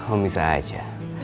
om bisa aja